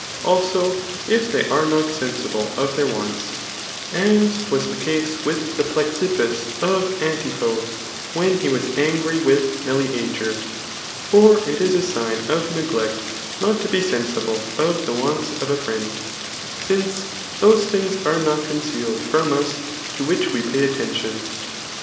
Also, if they are not 8en8B>le of their wants ; as was the case with the Plexippus of Antijrfip when he was angry with Meleager ; for it b a sign of neglect not to be senmble [of the wants of a friend ;] since those things are not concealed from us to which we pay attention.